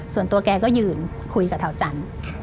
ส่วนตัวแกก็ยืนคุยกับเท้าจันทร์